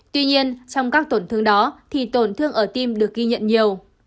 tuy nhiên trong các tổn thương đó thì tổn thương ở tim được ghi nhận nhiều